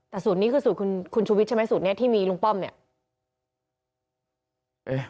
แต่สูตรนี้คือสูตรคุณชุวิตใช่ไหมสูตรนี้ที่มีลุงป้อมเนี่ย